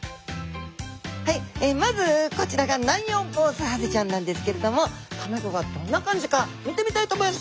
はいまずこちらがナンヨウボウズハゼちゃんなんですけれども卵がどんな感じか見てみたいと思います